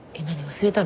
忘れた。